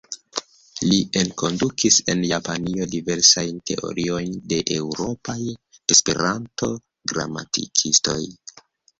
Li enkondukis en Japanion diversajn teoriojn de eŭropaj Esperanto-gramatikistoj.